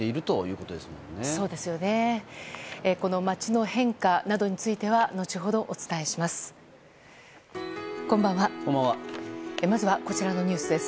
この街の変化などについては後ほどお伝えします。